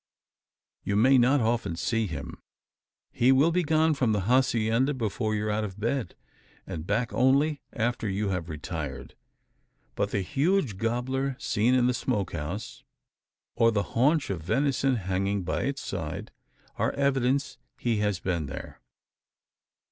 You may not often see him. He will be gone from the hacienda, before you are out of your bed; and back only after you have retired. But the huge gobbler seen in the "smoke house," and the haunch of venison hanging by its side, are evidence he has been there.